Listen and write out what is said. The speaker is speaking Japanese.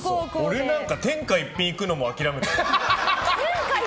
俺なんか天下一品行くのも諦めたよ。